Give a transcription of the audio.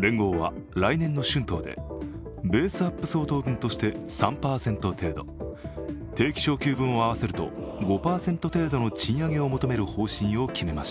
連合は来年の春闘で、ベースアップ相当分として３％程度定期昇給分を合わせると５％程度の賃上げを求める方針を決めました。